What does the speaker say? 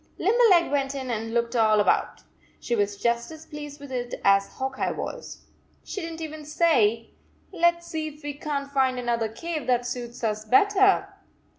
Limberleg went in and looked all about. She was just as pleased with it as Hawk Eye was. She did n t even say, "Let s see if we can t find another cave that suits us better."